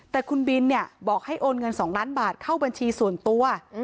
แต่คุณบินเนี่ยบอกให้โอนเงิน๒ล้านบาทเข้าบัญชีส่วนตัว